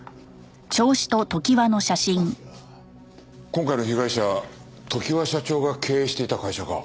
今回の被害者常盤社長が経営していた会社か。